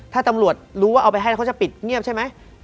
ถ้าตำรวจรู้ว่าเอาไปให้แล้วเขาจะปิดเงียบใช่ไหม